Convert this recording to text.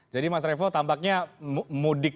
jadi mas revo tampaknya mudik